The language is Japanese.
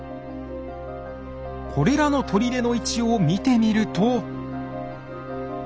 これらの砦の位置を見てみると。